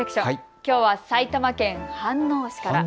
きょうは埼玉県飯能市から。